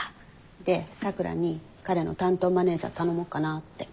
で咲良に彼の担当マネージャー頼もうかなって。